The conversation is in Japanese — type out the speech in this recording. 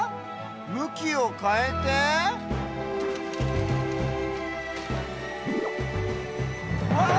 むきをかえてわっ！